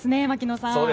槙野さん。